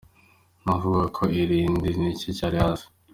Ni ukuvuga ko ikirindi nicyo cyari hasi.